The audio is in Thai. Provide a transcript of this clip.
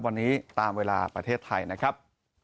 วันนี้ตามเวลาประเทศไทยนะครับ